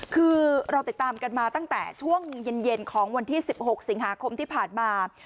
คือเราติดตามกันมาตั้งแต่ช่วงเย็นของวันที่๑๖สิงหาคมที่ผ่านมา